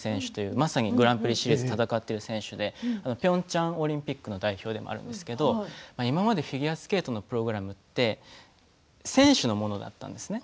まさにグランプリシリーズを戦っている選手でピョンチャンオリンピックの代表でもあるんですけれども今までのフィギュアスケートのプログラムって選手のものだったんですね。